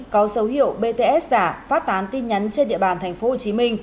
có dấu hiệu bts giả phát tán tin nhắn trên địa bàn tp hcm